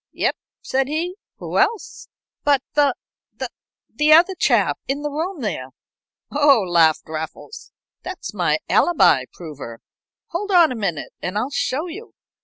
"Yep," said he. "Who else?" "But the the other chap in the room there?" "Oh," laughed Raffles. "That's my alibi prover hold on a minute and I'll show you."